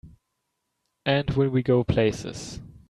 And will we go places!